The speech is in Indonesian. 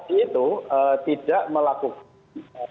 itu tidak melakukan